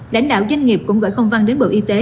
đánh đảo doanh nghiệp cũng gửi công văn đến bộ y tế